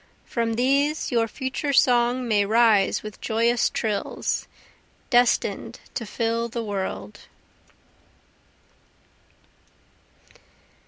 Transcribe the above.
From these your future song may rise with joyous trills, Destin'd to fill the world.